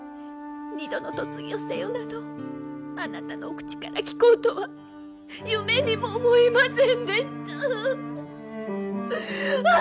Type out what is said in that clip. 二度の嫁ぎをせよなどあなたのお口から聞こうとは夢にも思いませんでした。